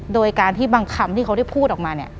โดยการที่บางคำที่เขาได้พูดออกมาเนี่ย